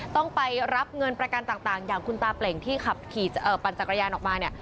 ต้องไปรับเงินประกันต่างอย่างคุณตาเปล่งที่ขับขี่ปั่นจักรยานออกมาเนี่ย